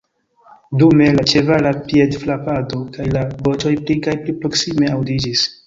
Dume la ĉevala piedfrapado kaj la voĉoj pli kaj pli proksime aŭdiĝis.